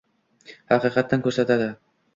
Haqiqatan ko'rsatadi.